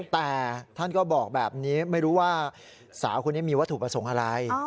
แต่ท่านก็บอกแบบนี้ไม่รู้ว่าสาวคนนี้มีวัตถุประสงค์อะไร